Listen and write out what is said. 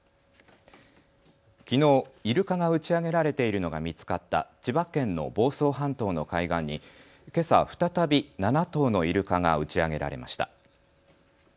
きのうイルカが打ち上げられているのが見つかった千葉県の房総半島の海岸にけさ再び７頭のイルカが打ち上げられました。